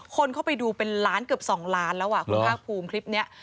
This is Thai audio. คนเข้าไปดูเป็นล้านเกือบ๒ล้านแล้วอ่ะคุณภาคภูมิคลิปนี้